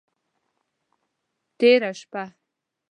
تیره شپه…